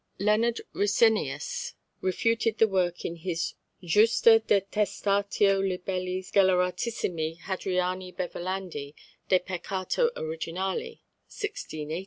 Leonard Ryssenius refuted the work in his Justa detestatio libelli sceleratissimi Hadriani Beverlandi, de Peccato originali (1680).